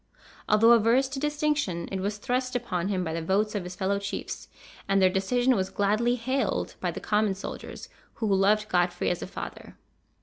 Although averse to distinction, it was thrust upon him by the votes of his fellow chiefs, and their decision was gladly hailed by the common soldiers, who loved Godfrey as a father.